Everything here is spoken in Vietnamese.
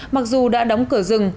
mặc dù đã đóng cửa rừng